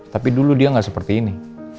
tapi dulu dia nggak seperti ini